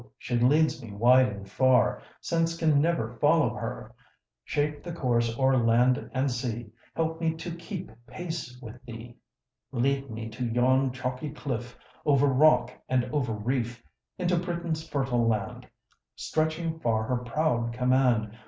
she leads me wide and far, Sense can never follow her Shape thy course o'er land and sea, Help me to keep pace with thee, Lead me to yon' chalky cliff, Over rock and over reef, Into Britain's fertile land, Stretching far her proud command.